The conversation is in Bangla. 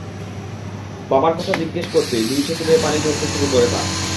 বাবার কথা জিজ্ঞেস করতেই দুই চোখে বেয়ে পানি ঝরতে শুরু করে তার।